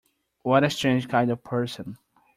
What a strange kind of person!